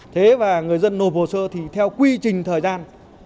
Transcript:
thế và người dân nộp hồ sơ thì theo quy trình thời gian